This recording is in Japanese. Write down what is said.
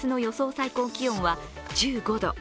最高気温は１５度。